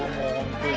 はい。